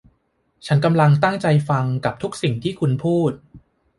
ฉันกำลังตั้งใจฟังกับทุกสิ่งที่คุณพูด